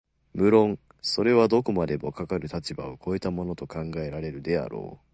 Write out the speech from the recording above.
無論それはどこまでもかかる立場を越えたものと考えられるであろう、